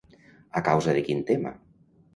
A causa de quin tema?